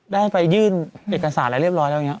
ได้ไปยื่นเอกสารอะไรเรียบร้อยแล้วอย่างนี้